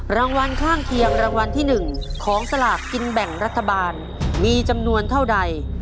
รางวัลข้างเคียงรางวัลที่๑ของสลากกินแบ่งรัฐบาลมีจำนวนเท่าใด